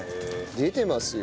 出てますよ。